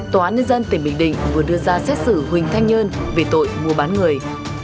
tòa án nhân dân tỉnh bình định vừa đưa ra xét xử huỳnh thanh nhơn về tội mua bán người